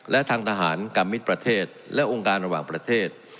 และทางทหารกรรมมิตรประเทศและองค์การระหว่างประเทศ